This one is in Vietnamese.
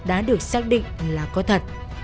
đã được xác định là có thật